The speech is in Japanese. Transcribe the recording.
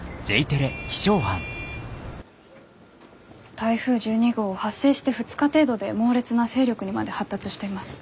台風１２号発生して２日程度で猛烈な勢力にまで発達しています。